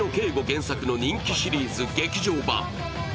原作の人気シリーズ劇場版。